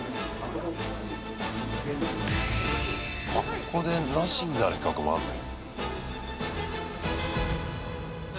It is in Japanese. ここでなしになる企画もあんの？